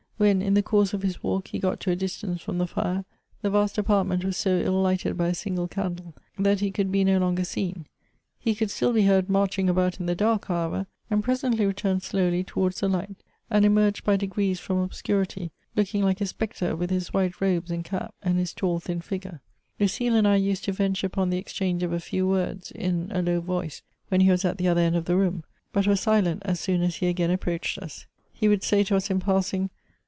When, in the course of his walk, he got to a distance from the fire, the vast apartment was so ill lighted by a single candle, that he could be no longer seen ; he could still be heard marching about in the dark, however, and presently returned slowly towards the light, and emerged by degrees from obscurity, looking hke a spectre, with his white robe and cap, and his tall, thin figure. Lucile and I used to venture upon the exchange of a few words, in a low voice, when he was at the other end of the room ; but were silent as soon as he again approached us. He would say to us in passing